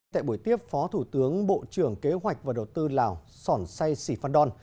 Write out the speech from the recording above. tại buổi tiếp phó thủ tướng bộ trưởng kế hoạch và đầu tư lào sòn say sì phan đon